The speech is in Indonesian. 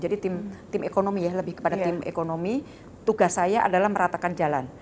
jadi tim ekonomi ya lebih kepada tim ekonomi tugas saya adalah meratakan jalan